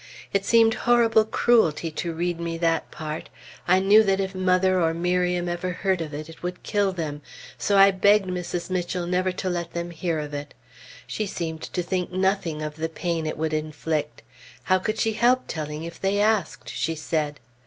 It seemed horrible cruelty to read me that part; I knew that if mother or Miriam ever heard of it, it would kill them. So I begged Mrs. Mitchell never to let them hear of it. She seemed to think nothing of the pain it would inflict; how could she help telling if they asked? she said.